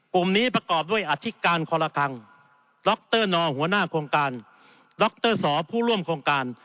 กลุ่มนี้ประกอบด้วยอธิการคลคลังดครนหัวหน้าดรศผู้ร่วมโครงการ